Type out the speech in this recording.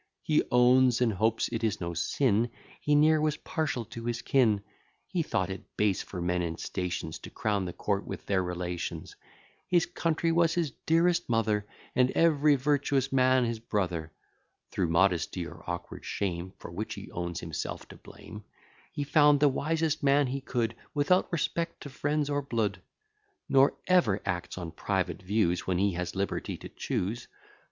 He owns, and hopes it is no sin, He ne'er was partial to his kin; He thought it base for men in stations, To crowd the court with their relations: His country was his dearest mother, And every virtuous man his brother; Through modesty or awkward shame, (For which he owns himself to blame,) He found the wisest man he could, Without respect to friends or blood; Nor ever acts on private views, When he has liberty to choose.